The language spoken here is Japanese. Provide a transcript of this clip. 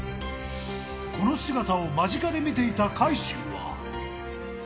この姿を間近で見ていた海祝は。